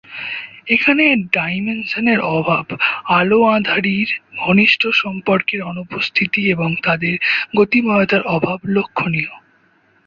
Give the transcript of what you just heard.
এখানে ডাইমেনশনের অভাব, আলো অাঁধারির ঘনিষ্ট সম্পর্কের অনুপস্থিতি এবং তাদের গতিময়তার অভাব লক্ষণীয়।